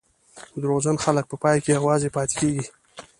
دروغجن خلک په پای کې یوازې پاتې کېږي.